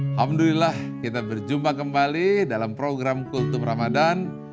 alhamdulillah kita berjumpa kembali dalam program kultum ramadhan